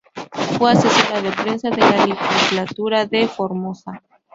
Fue asesora de prensa de la Legislatura de Formosa.